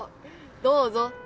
どうぞ